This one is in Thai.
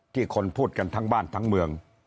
คนพูดกันทั้งบ้านทั้งเมือง